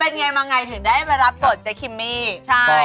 เป็นยังไงถึงได้มารับผลเจ๊คิมมี่